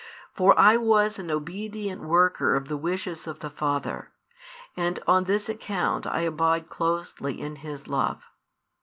For I was an obedient worker of the wishes of the Father, and on this account I abide closely in His love.